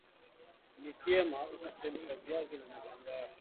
ni vyema ukachemsha viazi na maganda yake